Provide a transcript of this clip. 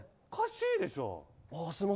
おかしいでしょ。